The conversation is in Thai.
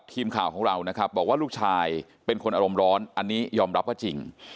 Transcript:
ทีมข่าวของเรานะครับบอกว่าลูกชายเป็นคนอารมณ์ร้อนอันนี้ยอมรับว่าจริง